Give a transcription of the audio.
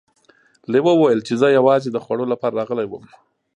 لیوه وویل چې زه یوازې د خوړو لپاره راغلی وم.